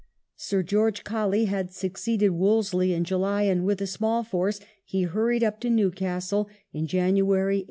Sir George Colley had succeeded Wolseley in July and with a small force he hurried up to Newcastle in January (1881).